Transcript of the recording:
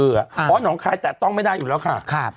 เพราะหนองคายแตะต้องไม่ได้อยู่แล้วค่ะ